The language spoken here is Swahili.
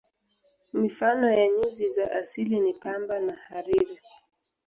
Mifano ya nyuzi za asili ni pamba na hariri.